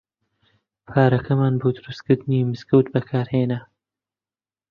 پارەکەمان بۆ دروستکردنی مزگەوت بەکار هێنا.